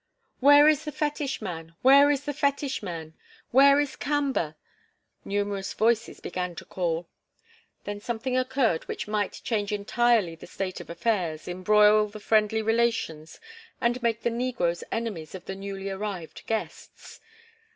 "Where is the fetish man? Where is the fetish man? Where is Kamba?" numerous voices began to call. Then something occurred which might change entirely the state of affairs, embroil the friendly relations, and make the negroes enemies of the newly arrived guests.